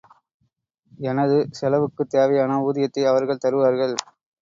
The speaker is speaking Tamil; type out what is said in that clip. எனது செலவுக்குத் தேவையான ஊதியத்தை அவர்கள் தருவார்கள்.